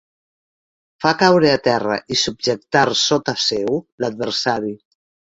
Fa caure a terra i subjectar sota seu l'adversari.